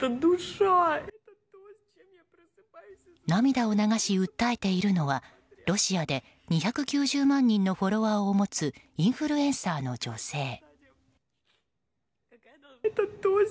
涙を流し訴えているのはロシアで２９０万人のフォロワーを持つインフルエンサーの女性。